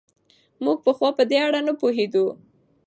موږ پخوا په دې اړه نه پوهېدو.